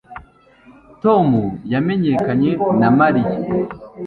Tom yimenyekanye na Mariya